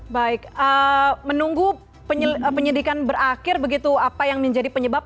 baik menunggu penyidikan berakhir begitu apa yang menjadi penyebab